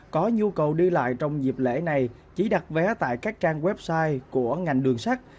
có nhu cầu đi lại trong dịp lễ này chỉ đặt vé tại các trang website của ngành đường sắt